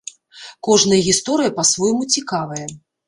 Кожная гісторыя па-свойму цікавая.